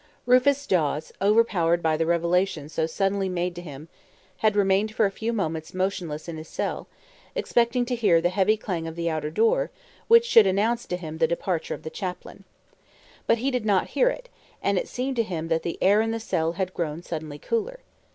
Rufus Dawes, overpowered by the revelation so suddenly made to him, had remained for a few moments motionless in his cell, expecting to hear the heavy clang of the outer door, which should announce to him the departure of the chaplain. But he did not hear it, and it seemed to him that the air in the cell had grown suddenly cooler.